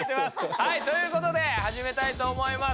はいということではじめたいと思います。